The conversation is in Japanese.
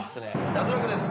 脱落です。